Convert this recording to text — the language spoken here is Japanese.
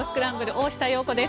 大下容子です。